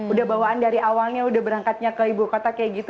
udah bawaan dari awalnya udah berangkatnya ke ibu kota kayak gitu